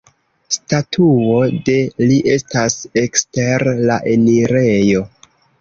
Statuo de li estas ekster la enirejo.